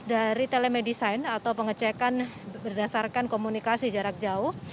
dari telemedicine atau pengecekan berdasarkan komunikasi jarak jauh